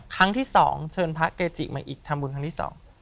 ครั้งที่สองเชิญพระเกจิมาอีกทำบุญครั้งที่๒